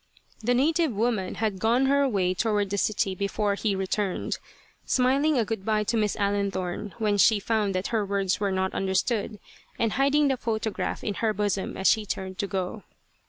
The native woman had gone her way toward the city before he returned, smiling a good bye to Miss Allenthorne when she found that her words were not understood, and hiding the photograph in her bosom as she turned to go.